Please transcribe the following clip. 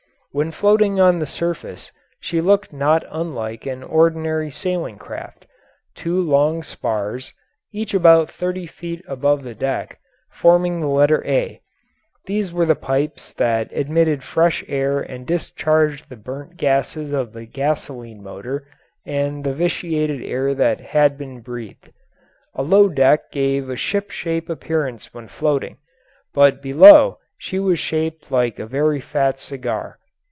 When floating on the surface she looked not unlike an ordinary sailing craft; two long spars, each about thirty feet above the deck, forming the letter A these were the pipes that admitted fresh air and discharged the burnt gases of the gasoline motor and the vitiated air that had been breathed. A low deck gave a ship shape appearance when floating, but below she was shaped like a very fat cigar.